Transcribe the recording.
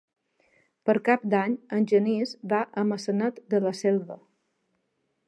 Per Cap d'Any en Genís va a Maçanet de la Selva.